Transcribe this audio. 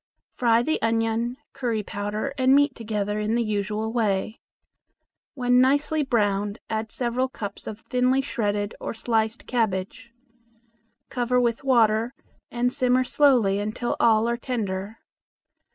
Fry the onion, curry powder, and meat together in the usual way. When nicely browned, add several cups of thinly shredded or sliced cabbage. Cover with water and simmer slowly until all are tender.